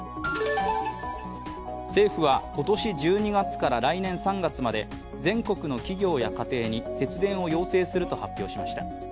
政府は今年１２月から来年３月まで全国の企業や家庭に節電を要請すると発表しました。